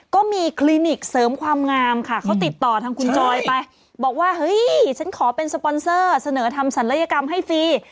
ก็มีคลินิกเสริมความงามค่ะเขาติดต่อทางคุณจอยไปบอกว่าเฮ้ยฉันขอเป็นสปอนเซอร์เสนอทำศัลยกรรมให้ฟรี